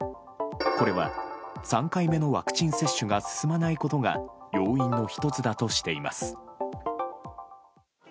これは３回目のワクチン接種が進まないことが要因の１つだとしています。